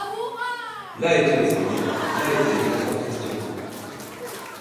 Là était le foyer, là était évidemment la question.